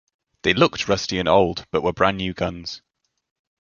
They looked rusty and old, but were brand new guns.